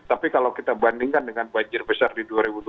tapi kalau kita bandingkan dengan banjir besar di dua ribu dua puluh